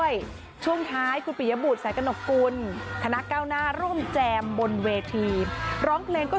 ยกโจทย์ให้ฉันมาเจ้าค่ะ